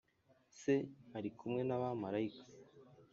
Se ari kumwe n abamarayika